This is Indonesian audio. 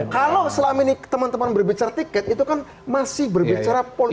kalau selama ini teman teman berbicara tiket itu kan masih berbicara politik